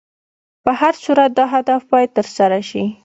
په هر صورت دا هدف باید تر سره شي.